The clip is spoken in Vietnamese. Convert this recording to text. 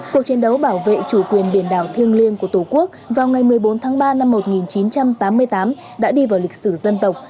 cuộc chiến đấu bảo vệ chủ quyền biển đảo thiêng liêng của tổ quốc vào ngày một mươi bốn tháng ba năm một nghìn chín trăm tám mươi tám đã đi vào lịch sử dân tộc